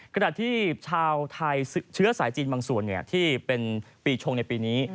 ขณะที่ชาวไทยเชื้อสายจีนบางส่วนที่เป็นปีชงในปีนี้